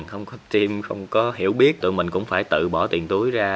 không có team không có hiểu biết tụi mình cũng phải tự bỏ tiền túi ra